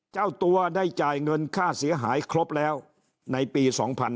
เจ้าตัวได้จ่ายเงินค่าเสียหายครบแล้วในปี๒๕๕๙